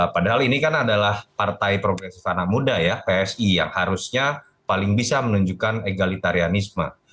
padahal ini kan adalah partai progresif anak muda ya psi yang harusnya paling bisa menunjukkan egalitarianisme